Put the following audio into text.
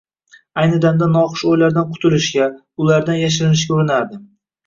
Ayni damda noxush oʻylardan qutilishga, ulardan yashirinishga urinardi